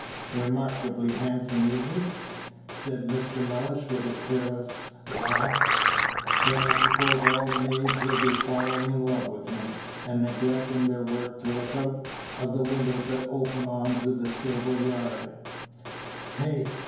"Remarkably handsome, is he?" said Mr. Mellish, with a careless laugh. "Then I suppose all the maids will be falling in love with him, and neglecting their work to look out of the windows that open on to the stable yard, hey?